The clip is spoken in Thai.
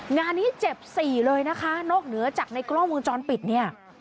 งานนี้เจ็บสี่เลยนะคะนอกเหนือจากในกล้องวงจรปิดเนี่ย